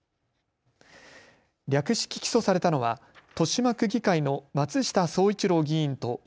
略式起訴されたのは豊島区議会の松下創一郎議員と